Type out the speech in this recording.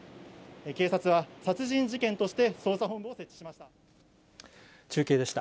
警察は殺人事件として捜査本部を設置しました。